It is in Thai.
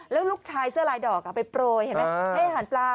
แล้วลูกชายเสื้อลายดอกไปโปรยเห็นไหมให้อาหารปลา